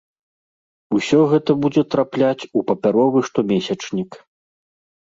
Усё гэта будзе трапляць у папяровы штомесячнік.